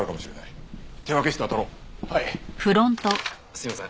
すいません。